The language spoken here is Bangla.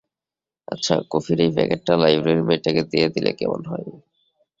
আচ্ছা কফির এই প্যাকেটটা লাইব্রেরির মেয়েটাকে দিয়ে দিলে কেমন হয়?